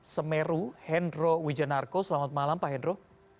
semeru hendro wijanarko selamat malam pak hendro